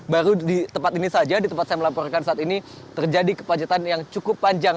baru di tempat ini saja di tempat saya melaporkan saat ini terjadi kemacetan yang cukup panjang